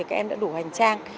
các em đã đủ hành trang